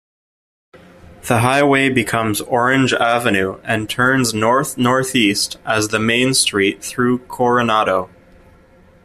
The highway becomes Orange Avenue and turns north-northeast as the main street through Coronado.